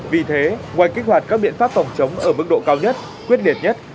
vì thế ngoài kích hoạt các biện pháp phòng chống ở mức độ cao nhất quyết liệt nhất